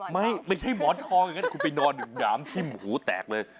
ไม่ใช่หมอนทองอย่างนั้นคุณไปนอนอยู่หยามทิ้มหูแตกเลย